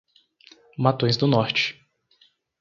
Matões do Norte